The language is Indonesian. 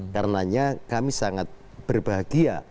karenanya kami sangat berbahagia